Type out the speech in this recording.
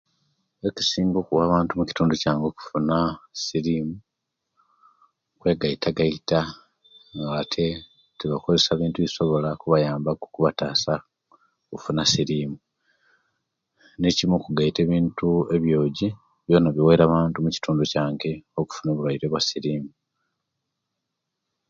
Ekisinga okuwa abantu omukitundu kyange okufuna sirimu kwegaita gaita nate tibakozesa ebintu ebisobila okubatasa okufuna sirimu nekimu okugaita ebintu ebyogi byona biwere abantu bamukitundu kyange okufuna obulwaire bwa sirimu